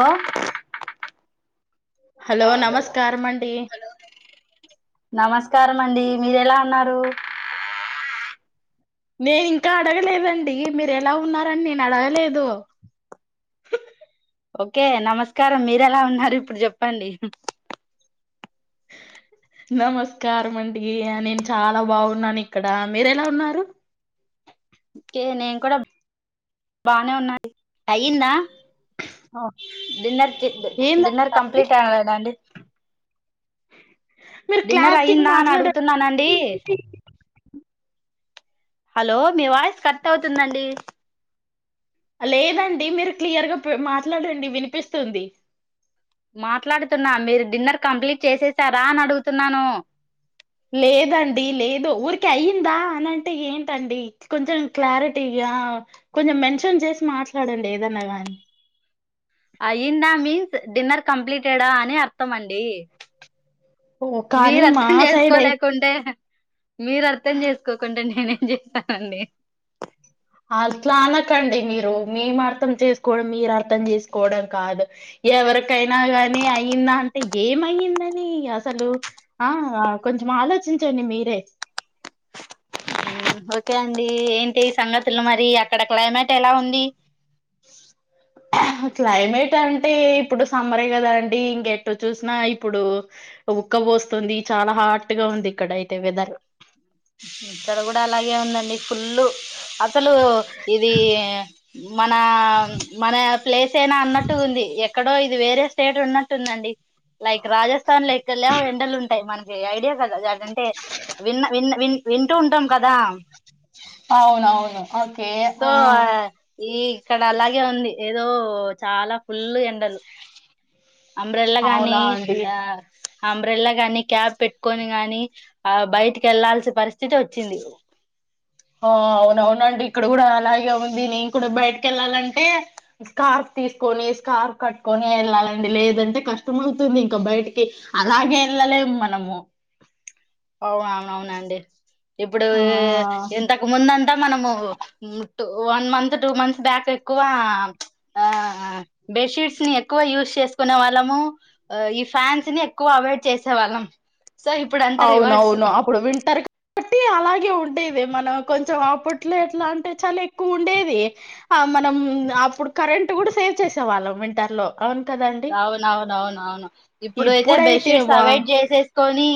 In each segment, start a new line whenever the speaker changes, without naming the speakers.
Hello
hello నమస్కారమండి
నమస్కారం అండి మీరేలా ఉన్నారు
నేను ఇంకా అడగలేదండి మీరు ఎలా ఉన్నారని నేను అడగలేదు
ఓకే నమస్కారం మీరేలా ఉన్నారు ఇప్పుడు చెప్పండి
నమస్కారం అండి నేను చాలా బాగున్నాను ఇక్కడ మీరేలా ఉన్నారు
కే నేను కూడా బానే ఉన్నా అండి అయిందా
ఆ!
డిన్నర్ డిన్నర్
ఏందండి
కంప్లీట్ అవలేద అండి
మీరు
డిన్నర్
క్లారిటీగా
అయ్యిందా అని
మాట్లాడ
అడుగుతున్నానండి హలో మీ వాయిస్ కట్ అవుతుందండి
లేదండి మీరు క్లియర్గా మాట్లాడండి వినిపిస్తుంది
మాట్లాడుతున్నా మీరు డిన్నర్ కంప్లీట్ చేసేసారా అని అడుగుతున్నాను
లేదండి లేదు ఊరికె అయ్యిందా అనంటే ఏంటండి కొంచెం క్లారిటీ గా కొంచెం మెన్షన్ చేసి మాట్లాడండి ఏదన్నా గాని
అయ్యిందా మీన్స్ డిన్నర్ కంప్లీటెడా అని అర్థం అండి
ఓ కానీ
మీరు
మా
అర్థం
సైడ్ అయితే
చేసుకోలేకుంటే మీరు అర్థం చేసుకోకుంటె నేనేం చేశానండి
అట్లా అనకండి మీరు మేము అర్థం చేసుకోవడం మీరు అర్థం చేసుకోవడం కాదు ఎవరికైనా గానీ అయిందా అంటే ఏమయ్యిందని అసలు ఆ కొం చం ఆలోచించండి మీరే
ఓకే అండి ఏంటి సంగతులు మరి అక్కడ క్లైమేట్ ఎలా ఉంది
క్లైమేట్ అంటే ఇప్పుడు సమ్మెరె కదా అండి ఇంకెటు చూసినా ఇప్పుడు ఉక్క ఉక్క పోస్తుంది చాలా హాట్ గా ఉంది ఇక్కడ అయితే వెదర్
ఇక్కడ కూడా అలాగే ఉందండి ఫుల్ అసలు ఇది మన మన ప్లేసేన అన్నట్టు ఉంది ఎ ఇక్కడో ఇది వేరే స్టేట్ ఉన్నట్టుందండి లైక్ రాజస్థాన్ ల ఎక్కలే ఎండలు ఉంటాయి మన ఐడియా కదా అంటే విన్న విన్న వి వింటూ ఉంటాం కదా
అవునవును ఓకే
సో
ఆ
ఈ ఇక్కడ అలాగే ఉంది ఏదో చాలా ఫుల్ ఎండలు అంబ్రెల్లా గాని
అవునా అండి
ఆ అంబ్రెల్లా గాని క్యాప్ పెట్టుకొని గాని ఆ బయటికి వెళ్లాల్సిన పరిస్థితి వచ్చింది
[inaudible] ఆ అవున అవునండి ఇక్కడ కూడా అలాగే ఉంది నేను కూడా బయటకి ఎళ్ళాలంటే స్కార్ప్ తీసుకొని స్కార్ఫ్ కట్టుకొని వెళ్ళాలండి లేదంటే కష్టం అవుతుంది ఇంకా బయటికి అలాగే ఏళ్ళలేము మనము
అవు అ అవునండి ఇప్పుడు
ఆ
ఇంతకు ముందంత మనము one month two months back ఎక్కువ ఆ ఆ బెట్ షీట్స్ ఎక్కువ యూస్ చేసుకునే వాళ్ళము ఈ ఫ్యాన్స్ ని ఎక్కువ అవాయిడ్ చేసేవాళ్ళం సో ఇప్పుడు అం
అవునవును అప్పుడు వింటర్ కాబట్టి అలాగే ఉండేది మనం కొంచెం అప్పట్లో ఎట్లా అంటే చలి ఎక్కువ ఉండేది మనం అప్పుడు కరెంట్ కూడా సేవ్ చేసే వాళ్ళం వింటర్ లో అవును కదండి
అవునవును అవునువును ఇప్పుడయితే బెడ్
ఇప్పుడైతే
షీట్స్
వా
అవాయిడ్ చేసేసుకొని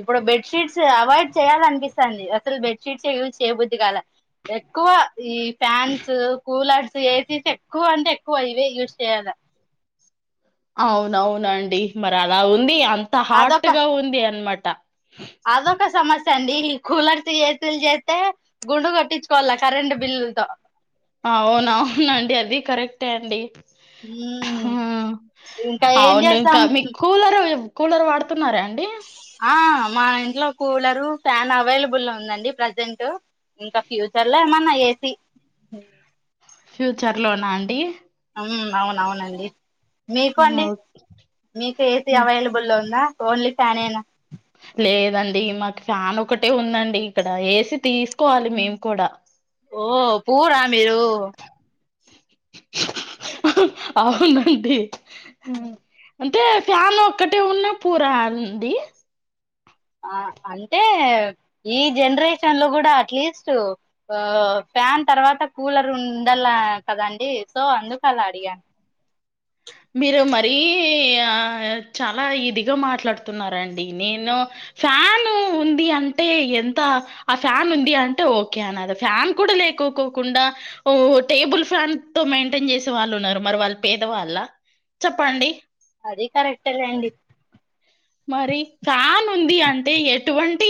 ఇప్పుడు బెడ్ షీట్స్ అవాయిడ్ చేయాల అనిపిస్తాంది అసలు బెడ్ షీట్స్ ఏ యూజ్ చేయబుద్ది కాలా ఎక్కువ ఈ ఫ్యాన్స్ కూలర్స్ ఏసీస్ ఎక్కువ అంటే ఎక్కువ ఇవే యూజ్ చేయాలా
[inaudible] అవునవునండి మరి అలా ఉంది అంత హాట్
అదొక
గా ఉంది అనమాట
అదొక సమస్ అండి ఈ కూలర్స్ ఏసిలు చేస్తే గుండు కొట్టించుకోవాల కరెంట్ బిల్లులతో
అవునవునండి అది కరెక్టే అండి
ఉమ్, ఇంకా ఏం
అవును
చేస్తాం
ఇంకా మీకు కూలర్ కూలర్ వాడుతున్నారా అండి
ఆ మా ఇంట్లో కూలరు ఫ్యాన్ అవైలబుల్ ఉందండి ప్రజెంట్ ఇంకా ఫ్యూచర్ లో ఏమన్నా ఏసీ
ఫ్యూచర్ లోనా అండి
హ్మ్మ్ అవునవునండి మీకు అండి
ఓ-
మీకు ఏ సి అవైలబుల్లో ఉందా ఓన్లీ ఫ్యానేనా
లేదండి మాకు ఫ్యాన్ ఒకటే ఉందండి ఇక్కడ ఏసి తీసుకోవాలి మేము కూడా
ఓ పూరా మీరు
అవునండి అంటే ఫ్యాన్ ఒక్కటే ఉన్నా పూరా అండి
ఆ అంటే ఈ జనరేషన్ లో కూడా అట్లీస్ట్ ఆ ఫ్యాన్ తర్వాత కూలర్ ఉండల్ల కదండి సో అందుకు అలా అడిగాను
[inaudible] మీరు మరీ ఆ చాలా ఇదిగా మాట్లాడుతున్నారండి నేను ఫ్యాన్ ఉంది అంటే ఎంత ఆ ఫ్యాన్ ఉంది అంటే ఓకే అనలే ఫ్యాన్ కూడా లే లేకో కోకుండా ఓ టేబుల్ ఫ్యాన్ తో మెయింటైన్ చేసే వాళ్ళు ఉన్నారు మరి వాళ్ళు పేదవాళ్ళ చెప్పండి
అదే కరెక్టే లెండి
మరి ఫ్యాన్ ఉంది అంటే ఎటువంటి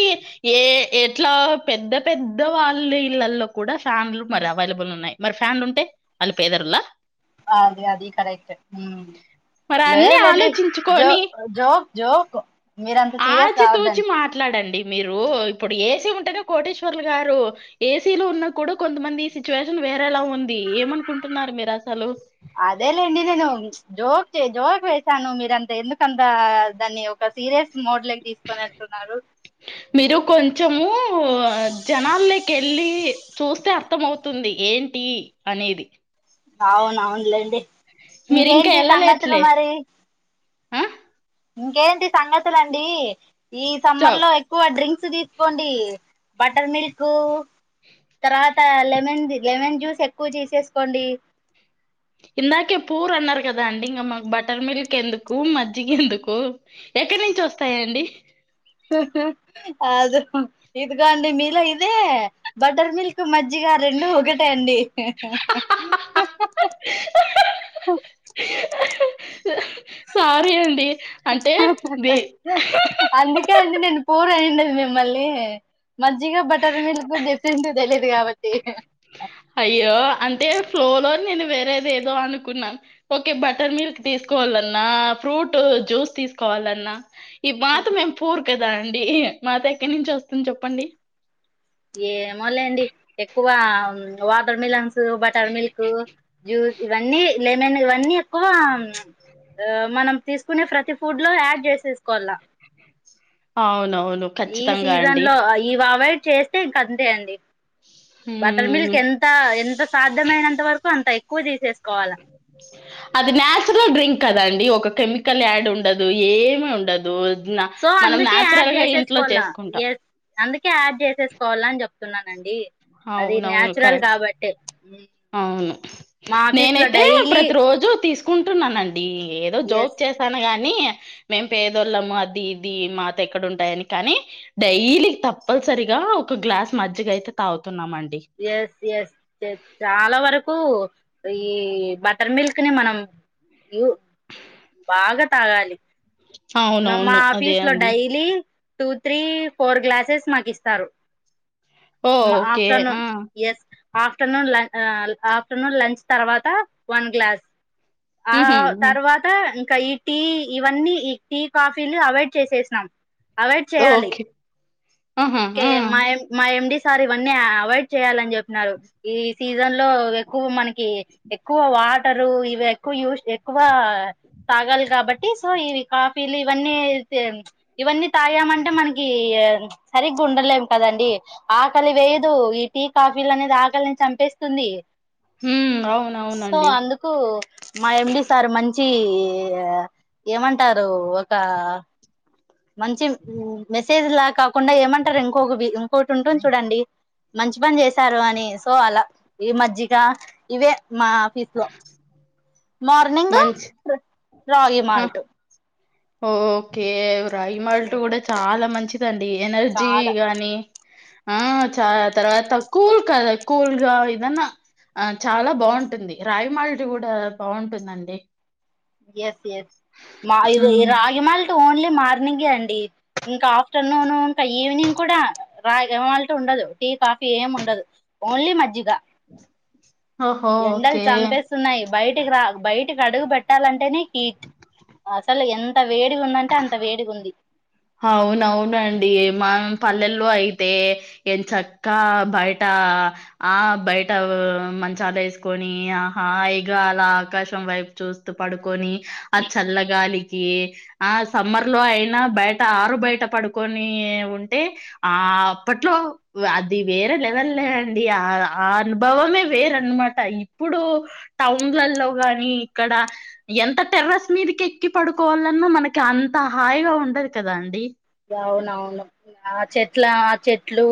ఏ ఎట్లా పెద్ద పెద్ద పెద్ద వాళ్ళ ఇళ్లల్లో కూడా ఫ్యాన్లు మరి అవైలబుల్ ఉన్నాయి మరి ఫ్యాన్లు ఉంటే వాళ్ళు పేదరుల్లా
అ అది అది కరెక్ట్
మరి
లేదు
అన్ని
లేండి జో
ఆలోచించుకొని
జో జోక్ మీరంత సీరియస్ కావద్దండి
కడండి మీరు ఇప్పుడు ఏసీ ఉంటేనే కోటేశ్వర్లు గారు ఏసీ లో ఉన్న గూడా కొంతమంది సి టుచ్యుషన్ వేరేలా ఉం
అదేలేండి నేను జోక్ జోక్ వేసాను మీరంత ఎందుకంతా దాన్ని ఒక సీరియస్ మోడ్ కి తీసుకొని వెళ్తున్నారు
మీరు కొంచెము జనాల్లోకెళ్ళి చూస్తే అర్థంమవుతుంది ఏంటి అనేది
అవునవునులేండి
మీరు ఇంకా
ఇంకేంటి సంగతులు
ఎళ్ళలేట్లే
మరి
ఆ
ఇంకేంటి సంగతులండి ఈ సమ్మర్
చప్
లో ఎక్కువ డ్రింక్స్ తీసుకోండి బటర్ మిల్క్ తర్వాత లెమన్ ది లెమన్ జ్యూస్ ఎక్కువ తిసేసుకోండి
ఇందాకే పూర్ అన్నారు గదా అండి ఇంకా మాకు బటర్ మిల్క్ ఎందుకు మజ్జికి ఎందుకు ఎట్ ఎక్కడి నుంచి వస్తాయండి
కాదు ఇదిగో అండి మీలో ఇదే బటర్ మిల్క్ మజ్జిగ రెండు ఒకటే అండి ఉ
[inaudible] అండి అంటే దే
అందుకే అండి నేను పూర్ మిమ్మల్ని మజ్జగా బటర్ మిల్క్ డిఫ్రెంటే
అయ్యో అంటే ఫ్లో లో నేను వేరేది ఎదో అనుకున్నాను ఓకే బటర్ మిల్క్ తీసుకోవాలన్నా ఫ్రూట్ జ్యూస్ తీసుకోవాలన్నా ఈ బాత్ మేము పూరు కదా అండి మాత ఎక్కడి నుంచి వస్తుంది చెప్పండి
ఏమో లేండి ఎక్కువ watermelons butter milk juice ఇవన్నీ లెమన్ ఇవన్నీ ఎక్కువా ఆ మనం తీసుకునే ప్రతి ఫుడ్ లో యాడ్ చేసేసుకోవాల
అవునవును
ఈ
ఖచ్చితంగా
సీజన్
అండి
లో ఈవ్ అవడ్ చేస్తే ఇంక అంతే అండి బటర్ మిల్క్
మ్మ్.
ఎంత ఎంత సాధ్యమైనంత వరకు అంత ఎక్కువ చేసేస్త
అది న్యాచురల్ డ్రింక్ కదండి ఒక కెమికల్ యాడ్ ఉండదు ఏమి ఉండదు నా-
సో
మనం
అందుకే యాడ్
న్యాచురల్ గా ఇంట్లో
చేసేసుకోవాల
చేసుకుంటాం
అందుకే యాడ్ చేసేసుకోవాల అని చెప్త చేస్తున్నానండి అది
అవునవును
న్యాచురల్
కరెక్ట్
కాబట్టే
అవును
మా ఆఫీస్ లో
నేనైతే
డైలీ
ప్రతి రోజు తీసుకుంటున్నానండి డి ఏదో జోక్
ఎస్
చేసాను గానీ మేము పేదోళ్ళము అది ఇది మాత ఎక్కడ ఉంటాయని కానీ డైలీ తప్పన్ సరిగా ఒక గ్లాస్ మజ్జి అయితే తాగుతున్నామండి
ఎస్ ఎస్ ఎస్ చాలా వరకు కు ఈ బటర్ మిల్క్ ని మనం యు బాగా తాగాలి మ మా
అవునవును అదే
ఆఫీస్ లో
అండి
daily two three four glasses మాకు ఇస్తారు
ఓ
మా
ఓకే
ఆఫ్టర్నూన్
ఆ
yes afternoon lunch afternoon lunch తర్వాత వన్ గ్లాస్ ఆ
ఉహు
తర్వాత ఇంకా ఈ టీ ఇవన్నీ ఈ టీ కాఫీలు అవాయిడ్ చేసేసినాం అవేయిడ్ చేయాలి
ఓకే ఆహా
కె
ఆ
మాయ మాయ ఎండిస్ సార్ ఇవన్నీ అవాయిడ్ చేయాలని చెప్పిన్నారు ఈ సీజన్ లో ఎక్కువ మనకి కి ఎక్కువ వాట్ టరు ఇవి ఎక్కువ యూస్ ఎక్కువ తాగాలి కాబట్టి సో ఇవి కాఫీలు ఇవన్నీ ఇవన్నీ తాగామంటే మనకి సరిగ్గా ఉండలేము కదండి ఆకలి వేయదు ఈ టీ కాఫీలు అనేది ఆకలిని చంపేస్తుంది
ఉమ్
సో
అవునవునండి
అందుకు మా ఎండి సార్ మంచి చి ఏమంటారు ఒక మంచి మెసేజ్ లా కాకుండా ఏమంటారు ఇంకొక ఇంకొకటి ఉంటుంది చూడండి మంచి పని చేశారు అని సో అలా ఈ మజ్జిగ ఇవే మా ఆఫీస్ లో మార్నింగ్
మంచి
రాగి
ఆ
మాల్ట్
ఓకే రాగి మల్ట్ కూడా చాలా మంచిదండి ఎనర్జీ
చాలా
గాని ఆ చాలా తర్వాత కూల్ కద కూల్గా ఏదన్న ఆ చాలా బాగుంటుంది రాగి మాల్ట్ కూడా బాగుంటుందండి
ఎస్ ఎస్ మా
హ్మ్.
రాగి మాల్ట్ ఓన్లీ మార్నింగే అండి ఇంకా ఆఫ్టర్నూన్ ఇంకా ఈవినింగ్ కూడా రాగి మాల్ట్ ఉండదు టీ కాఫీ ఏం ఉండదు ఓన్లీ మజ్జిగ
ఓహో
ఎండలు
ఓకే
చంపేస్తున్నాయి బయటికి రా బయటి టికీ అడుగు పెట్టాలంటేనే హీట్ అసలు ఎంత వేడిగా ఉందంటే అంత వేడిగా ఉంది
అవునవునండి మా పల్లెల్లో అయితే ఎంచక్క బయట ఆ బయట మంచాలేసుకొని ఆ హాయిగా అలా ఆకాశం వైపు చూస్తూ పడుకొని ఆ చల్లగాలికి ఆ సమ్మర్ లో అయినా బయట ట ఆరు బయట పడుకొని ఉంటే ఆ అప్పట్లో అది వేరే లెవెల్ ల్ అండి ఆ ఆ అనుభవమే వేరన్నమాట ఇప్పుడు టౌన్లల్లో గాని ఇక్కడ ఎంత టెర్రస్ మీదకి ఎక్కి పడుకోవాలన్నా మనకి అంత హాయిగా ఉండదు కదా అండి
అవునవును ఆ చెట్ల ఆ చెట్లు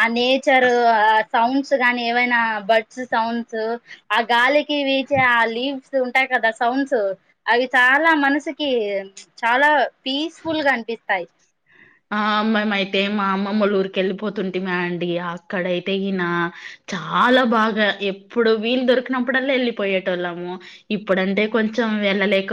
ఆ నేచర్ ఆ సౌండ్స్ గానీ ఏవైనా బడ్స్ సౌండ్స్ ఆ గాలికి వీచే ఆ లీవ్స్ డ్స్ ఉంటాయి కదా సౌండ్స్ అవి చాలా మనసుకి చాలా పీస్ఫుల్ గా అనిపిస్తాయి
ఆ మేమయితే మా అమ్మమ్మోల్లూరికి వెళ్ళిపోతుంటిమి అండి అక్కడైతేనా చాలా బాగా ఎప్పుడు వీలు దొరికినప్పుడల్లా వెళ్ళిపోయేటోళ్ళము ఇప్పుడంటే కొంచెం చం వెళ్ళలేక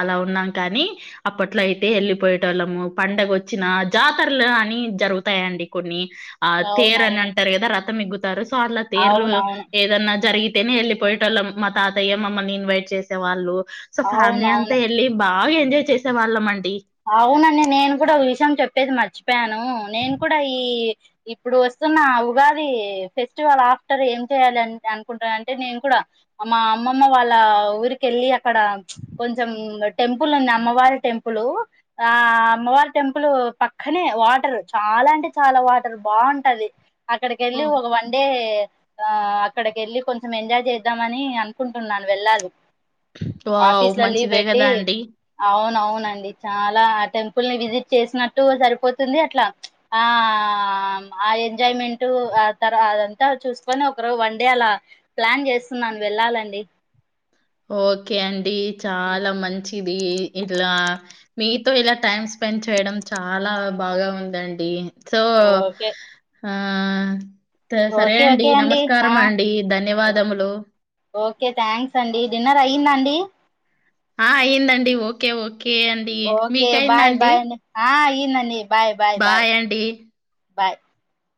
అలా ఉన్నాం కానీ అప్పట్లో అయితే వెళ్ళిపోయేటోళ్ళము పండుగొచ్చినా జాతరలు అని జరుగుతాయండి కొన్ని ఆ తేరు అని
అవునవును
అంటరు కదా రథం ఎక్కుతారు సో అలా తేర్లు
అవునవును
ఏదన్నా జరిగి తేనె వెళ్ళిపోయేటోళ్ళం మా తాతయ్య మమ్మల్ని ఇన్వైట్ చేసేవాళ్ళు సో ఫ్యామిలీ
అవునవును
అంతా వెళ్ళి బా బాగా ఎజాయ్ చేసే వాళ్ళమండి
అవునండి నేను కూడా ఒక విషయం చెప్పేది మర్చిపోయాను నేను కూడా ఈ ఇప్పుడు వస్తున్న ఉగాది ఫెస్టివల్ ఆఫ్టర్ ఏం చేయాలి అనుకుంటానంటే నేను కూడా మా అమ్మమ్మ వాళ్ళ ఊరికి కెళ్ళి అక్కడ కొంచెం టెంపుల్ ఉంది అమ్మవారి టెంపులు ఆ అమ్మవారి టెంపుల్ పక్కనే వాటర్ చాలా అంటే చాలా వాటర్ బాగుంటది అక్కడికి వెళ్ళి
ఓహ్
ఒక వన్ డే ఆ అక్కడికి వెళ్ళి కొంచెం ఎంజాయ్ చేద్దామని అనుకుంటున్నాను వెళ్ళాలి
వావ్!
ఆఫీస్ల లీవ్
మంచిదే
పెట్టి
గదా అండి.
అవును అవును చాలా ఆ టెంపుల్ ని విజిట్ చేసినట్టు సరిపోతుంది అట్లా ఆ ఎంజాయ్మెంట్ ఆ తర అదంతా చూసుకొని ఒకరోజు వన్ డే అలా ప్లాన్ చేస్తున్నాను వెళ్ళాలండి
ఓకే అండి
ఉమ్,
చాలా మంచి ది ఇలా మీతో ఇలా టైమ్ స్పెండ్ చేయడం చాలా బాగా ఉందండి సో
ఓకే
ఆ సరే
ఓకే
అండి
ఓకే ఆ
నమస్కారం అండి
ఓ-
ధన్యవాదములు
ఓకే థ్యాంక్స్ అండి డిన్నర్ అయ్యిందాండి
ఆ అయ్యిందండి ఓకే ఓకే అండి
ఓకే
మీకయిందా
బాయ్
అండి
బాయ్ ఆ అయ్యిందండి బాయ్
బాయ్ అండి
బాయ్